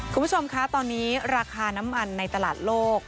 คุณผู้ชมคะตอนนี้ราคาน้ำมันในตลาดโลก